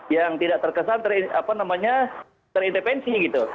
yang tidak terkesan terintervensi gitu